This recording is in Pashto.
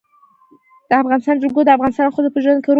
د افغانستان جلکو د افغان ښځو په ژوند کې رول لري.